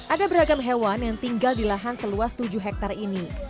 ada beragam hewan yang tinggal di lahan seluas tujuh hektare ini